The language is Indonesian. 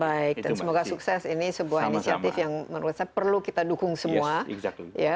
baik dan semoga sukses ini sebuah inisiatif yang menurut saya perlu kita dukung semua